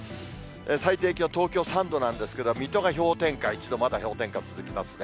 最低気温、東京３度なんですけど、水戸が氷点下１度、まだ氷点下続きますね。